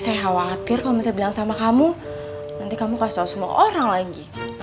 saya juga masih belum bisa percaya